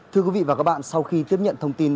thưa quý vị và các bạn sau khi tiếp nhận thông tin